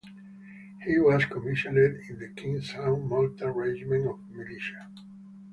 He was commissioned in the King's Own Malta Regiment of Militia.